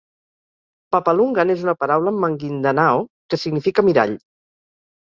"Pagalungan" és una paraula en maguindanao que significa mirall.